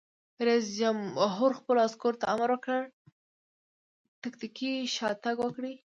رئیس جمهور خپلو عسکرو ته امر وکړ؛ تکتیکي شاتګ وکړئ!